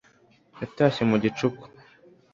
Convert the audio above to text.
Yatashye mu gicuku